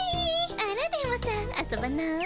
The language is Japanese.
あら電ボさん遊ばない？